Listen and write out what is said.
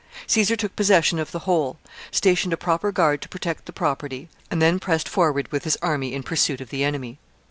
Caesar took possession of the whole, stationed a proper guard to protect the property, and then pressed forward with his army in pursuit of the enemy.